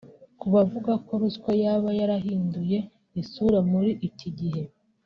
Ku bavuga ko ruswa yaba yarahinduye isura muri iki gihe